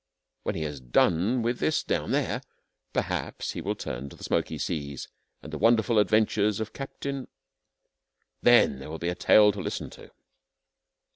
When he has done with this down there perhaps he will turn to the Smoky Seas and the Wonderful Adventures of Captain . Then there will be a tale to listen to.